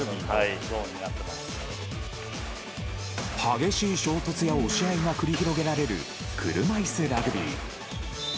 激しい衝突や押し合いが繰り広げられる車いすラグビー。